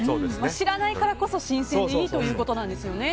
知らないからこそ新鮮でいいということなんですよね。